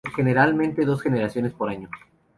Generalmente dos generaciones por año.